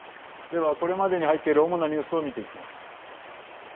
では、これまでに入っている主なニュースを見ていきます。